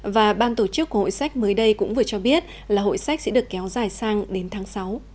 và ban tổ chức của hội sách mới đây cũng vừa cho biết là hội sách sẽ được kéo dài sang đến tháng sáu